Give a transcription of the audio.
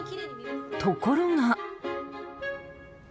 ところが。